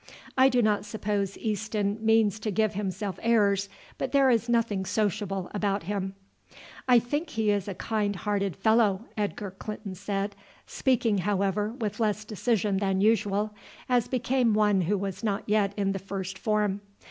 I do not suppose Easton means to give himself airs, but there is nothing sociable about him." "I think he is a kind hearted fellow," Edgar Clinton said, speaking, however, with less decision than usual, as became one who was not yet in the first form.